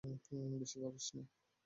বেশি ভাবিস না।